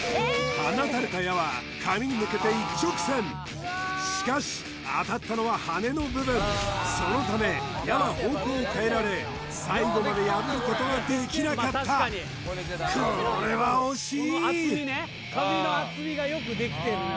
放たれたしかし当たったのは羽根の部分そのため矢の方向を変えられ最後まで破ることができなかったこれは惜しい紙の厚みがよくできてんのよ